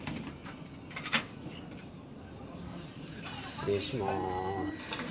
失礼します。